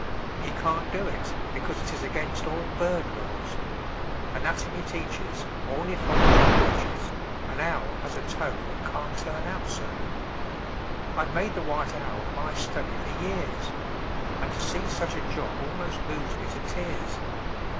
He can't do it, because 'T is against all bird laws. Anatomy teaches, Ornithology preaches An owl has a toe That can't turn out so! I've made the white owl my study for years, And to see such a job almost moves me to tears!